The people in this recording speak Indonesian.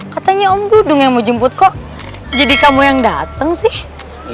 katanya om dudung yang mau jemput kok jadi kamu yang dateng sih